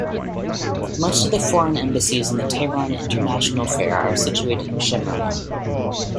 Most of the foreign embassies and the Tehran International Fair are situated in Shemiran.